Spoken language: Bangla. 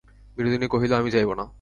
বিনোদিনী কহিল, আমি যাইব না।